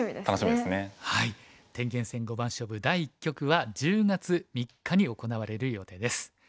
天元戦五番勝負第１局は１０月３日に行われる予定です。